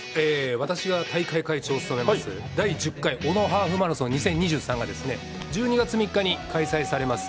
私が大会会長を務めます、第１０回小野ハーフマラソン２０２３がですね、１２月３日に開催されます。